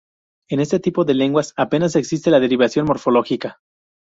En este tipo de lenguas, apenas existe la derivación morfológica.